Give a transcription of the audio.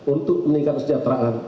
untuk meningkatkan sejahteraan